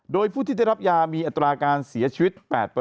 โดยผู้ที่ได้รับยามีอัตราการเสียชีวิต๘